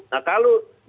nah kalau diperbedaannya